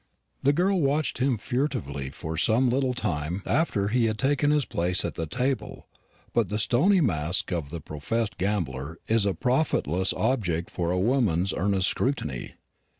The girl watched him furtively for some little time after he had taken his place at the table; but the stony mask of the professed gambler is a profitless object for a woman's earnest scrutiny.